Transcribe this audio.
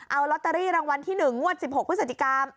เอาลอตเตอรี่รางวัลที่๑งวด๑๖พฤศจิกา